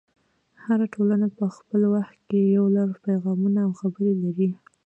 هره ټولنه په خپل وخت کې یو لړ پیغامونه او خبرې لري.